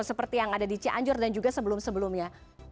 seperti yang ada di cianjur dan juga sebelum sebelumnya